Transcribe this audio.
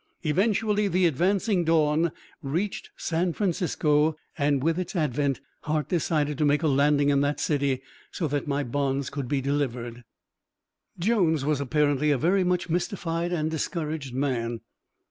Eventually the advancing dawn reached San Francisco, and with its advent Hart decided to make a landing in that city so that my bonds could be delivered. Jones was apparently a very much mystified and discouraged man.